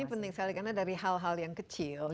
ini penting sekali karena dari hal hal yang kecil